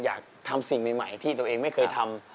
อยากทำสิ่งใหม่ที่ตัวเองไม่เคยทำ